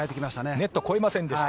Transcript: ネットを越えませんでした。